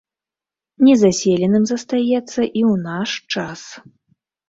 Незаселеным застаецца і ў наш час.